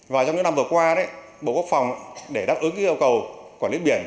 và trong những năm vừa qua bộ quốc phòng để đáp ứng yêu cầu quản lý biển